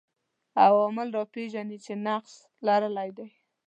عوامل راپېژني چې نقش لرلای دی